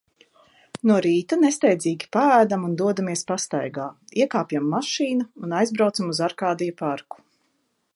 No rīta nesteidzīgi paēdam un dodamies pastaigā. Iekāpjam mašīna un aizbraucam uz Arkādija parku.